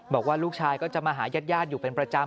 บอกว่าลูกชายก็จะมาหายาดอยู่เป็นประจำ